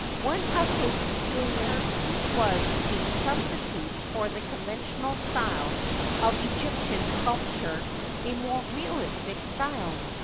One of his peculiarities was to sub stitute for the conventional style of Egyptian sculpture a more realistic style.